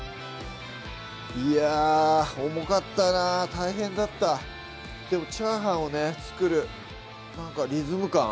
いやぁ重かったな大変だったでも炒飯をね作るなんかリズム感？